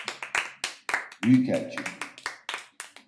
Büyükelçi.